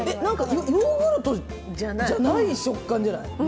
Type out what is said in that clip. ヨーグルトじゃない食感じゃない？